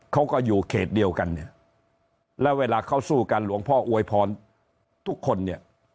เขาก็อยู่เขตเดียวกันเนี่ยแล้วเวลาเขาสู้กันหลวงพ่ออวยพรทุกคนเนี่ย